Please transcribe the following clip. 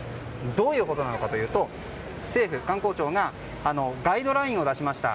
どういうことかといいますと政府観光庁がガイドラインを出しました。